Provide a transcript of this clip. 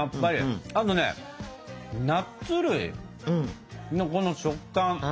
あとねナッツ類のこの食感。